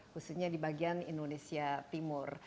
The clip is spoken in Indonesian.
khususnya di bagian indonesia timur